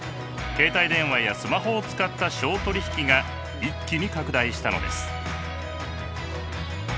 携帯電話やスマホを使った商取引が一気に拡大したのです。